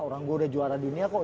orang gue udah juara dunia kok